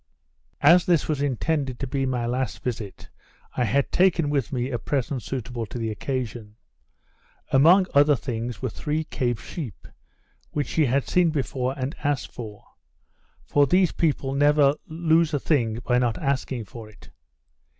As this was intended to be my last visit, I had taken with me a present suitable to the occasion. Among other things were three Cape sheep, which he had seen before and asked for; for these people never lose a thing by not asking for it.